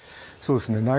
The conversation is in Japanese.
そうですね